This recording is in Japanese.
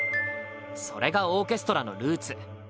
それがオーケストラのルーツ。